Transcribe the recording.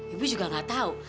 ibu juga gak tau